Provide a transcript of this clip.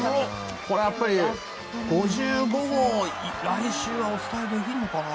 これは５５号来週はお伝えできるのかな。